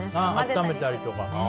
炒めたりとか。